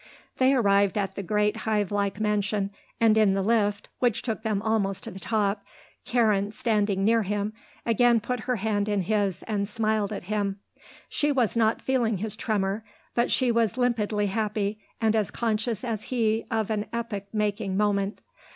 They arrived at the great, hive like mansion and in the lift, which took them almost to the top, Karen, standing near him, again put her hand in his and smiled at him. She was not feeling his tremor, but she was limpidly happy and as conscious as he of an epoch making moment.